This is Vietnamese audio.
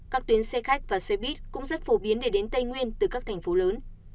các tuyến xe khách và xe buýt cũng rất phổ biến để đến tây nguyên từ các thành phố lớn